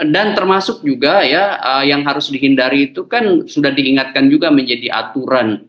dan termasuk juga ya yang harus dihindari itu kan sudah diingatkan juga menjadi aturan